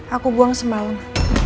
aku buang sembalung